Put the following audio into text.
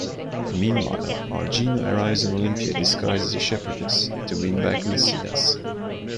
Meanwhile, Argene arrives in Olympia disguised as a shepherdess, to win back Lycidas.